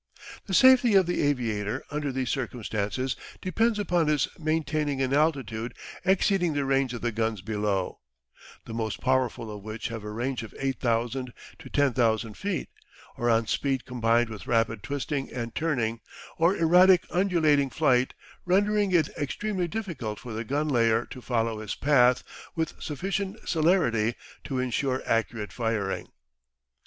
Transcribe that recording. The safety of the aviator under these circumstances depends upon his maintaining an altitude exceeding the range of the guns below, the most powerful of which have a range of 8,000 to 10,000 feet, or on speed combined with rapid twisting and turning, or erratic undulating flight, rendering it extremely difficult for the gun layer to follow his path with sufficient celerity to ensure accurate firing.